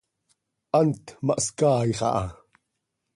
Hant ma hscaaix aha.